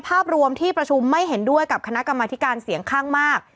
ภาพรวมที่ประชุมไม่เห็นด้วยกับคณะกรรมธิการเสียงข้างมาก